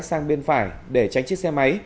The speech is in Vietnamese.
sang bên phải để tránh chiếc xe máy